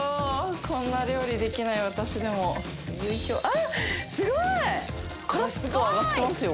こんな料理できない私でもあっすごいカラッと揚がってますよ